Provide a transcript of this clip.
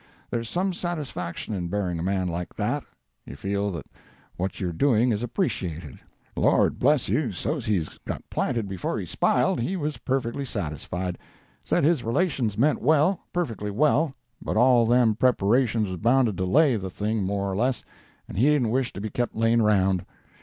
There's some satisfaction in buryin' a man like that. You feel that what you're doing is appreciated. Lord bless you, so's he got planted before he sp'iled, he was perfectly satisfied; said his relations meant well, perfectly well, but all them preparations was bound to delay the thing more or less, and he didn't wish to be kept layin' around.